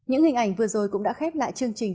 những hình ảnh vừa rồi cũng đã khép lại chương trình